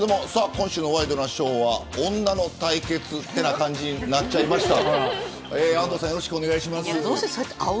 今週のワイドナショーは女の対決ってな感じになっちゃいました。